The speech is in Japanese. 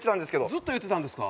ずっと言ってたんですか？